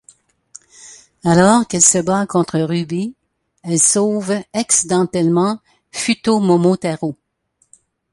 Alors qu'elle se bat contre Ruby, elle sauve accidentellement Futomomotarou.